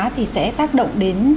thì sẽ tác động đến